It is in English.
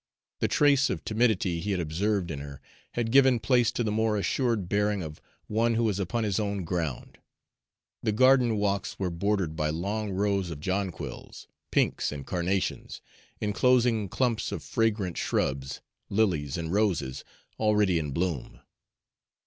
The trace of timidity he had observed in her had given place to the more assured bearing of one who is upon his own ground. The garden walks were bordered by long rows of jonquils, pinks, and carnations, inclosing clumps of fragrant shrubs, lilies, and roses already in bloom.